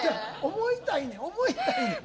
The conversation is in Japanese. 思いたいねん思いたいねん。